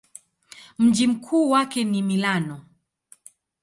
Mji mkuu wake ni Milano.